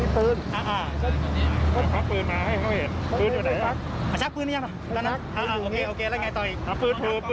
พวกก็เห็นครับ